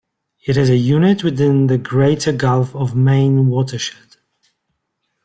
It is a unit within the greater Gulf of Maine Watershed.